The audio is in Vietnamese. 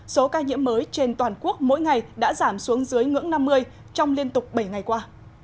số ca nhiễm mới trên toàn quốc mỗi ngày đã giảm xuống dưới ngưỡng năm mươi trong liên tục bảy ngày qua